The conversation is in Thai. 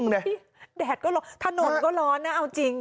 แดดก็ลงถนนก็ร้อนนะเอาจริง